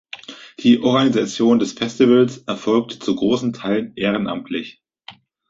Die Organisation des Festivals erfolgte zu großen Teilen ehrenamtlich.